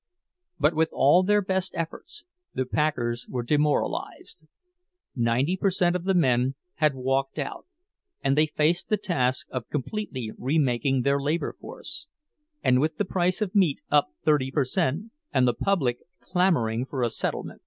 But with all their best efforts, the packers were demoralized. Ninety per cent of the men had walked out; and they faced the task of completely remaking their labor force—and with the price of meat up thirty per cent, and the public clamoring for a settlement.